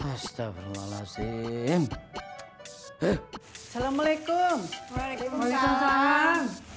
astagfirullahaladzim assalamualaikum waalaikumsalam